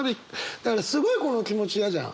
だからすごいこの気持ち嫌じゃん。